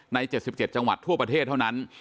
๗๗จังหวัดทั่วประเทศเท่านั้น